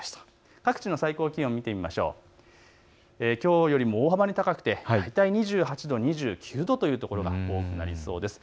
各地の最高気温を見ますときょうよりも大幅に高く、２８度、２９度というところが多くなりそうです。